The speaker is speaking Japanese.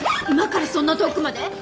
今からそんな遠くまで？